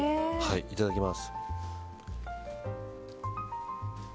いただきます。